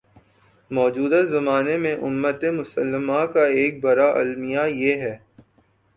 موجودہ زمانے میں امتِ مسلمہ کا ایک بڑا المیہ یہ ہے